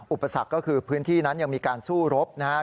อุปสรรคก็คือพื้นที่นั้นยังมีการสู้รบนะฮะ